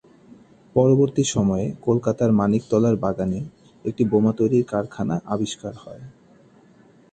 পরবর্তী সময়ে কলকাতার মানিকতলার বাগানে একটি বোমা তৈরীর কারখানা আবিষ্কার হয়।